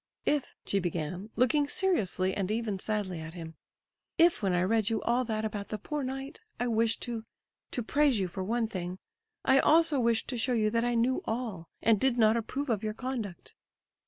"If"—she began, looking seriously and even sadly at him—"if when I read you all that about the 'poor knight,' I wished to to praise you for one thing—I also wished to show you that I knew all—and did not approve of your conduct."